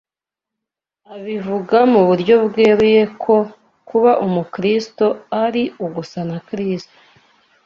Abivuga mu buryo bweruye ko kuba Umukristo ari ugusa na Kristo